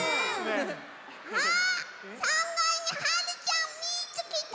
あっ３がいにはるちゃんみつけた！